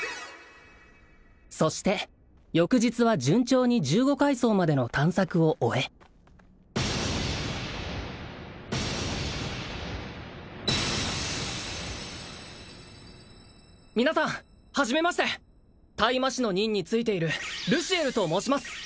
そして翌日は順調に十五階層までの探索を終え皆さんはじめまして退魔士の任に就いているルシエルと申します